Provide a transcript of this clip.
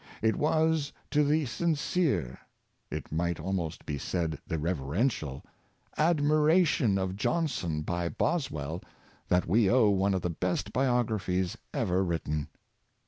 It was to the sincere — it might almost be said the reverential — admiration of Johnson by Boswell, that we owe one of the best biographies ever written.